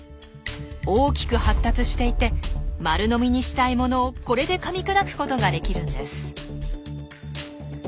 大きく発達していて丸飲みにしたいものをこれでかみ砕くことができるんです。